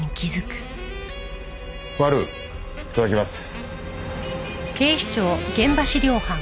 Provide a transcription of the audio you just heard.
小春いただきます。